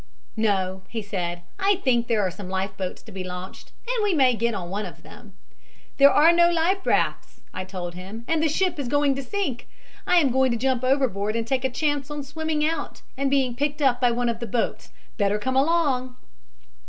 "'No,' he said, 'I think there are some life boats to be launched, and we may get on one of them.' "'There are no life rafts,' I told him, 'and the ship is going to sink. I am going to jump overboard and take a chance on swimming out and being picked up by one of the boats. Better come along.'